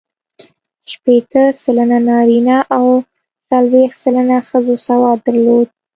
شپېته سلنه نارینه او څلوېښت سلنه ښځو سواد درلود.